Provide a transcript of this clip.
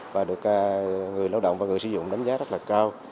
và được người lao động và người sử dụng đánh giá rất là cao